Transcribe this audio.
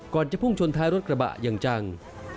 จะพุ่งชนท้ายรถกระบะอย่างจัง